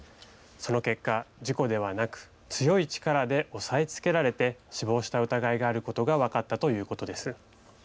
その結果、事故ではなく強い力で押さえつけられて死亡した疑いがあることが分かったということです。